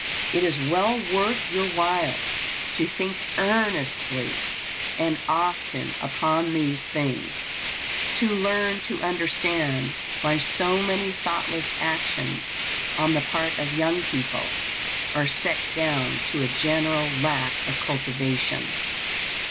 It is well worth your while to think earnestly and often upon these things; to learn to understand why so many thoughtless actions on the part of young people are set down to a general lack of cultivation.